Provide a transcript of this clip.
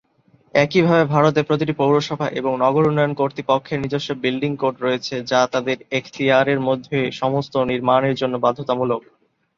একইভাবে, ভারতে, প্রতিটি পৌরসভা এবং নগর উন্নয়ন কর্তৃপক্ষের নিজস্ব বিল্ডিং কোড রয়েছে, যা তাদের এখতিয়ারের মধ্যে সমস্ত নির্মাণের জন্য বাধ্যতামূলক।